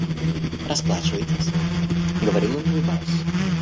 Расплачивайтесь, — говорил он улыбаясь.